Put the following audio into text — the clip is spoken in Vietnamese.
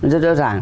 rất rõ ràng